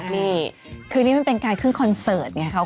คืออันนี้มันเป็นการขึ้นคอนเซิร์ตเนี่ย